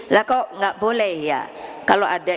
lah kok nggak boleh ya kalau ada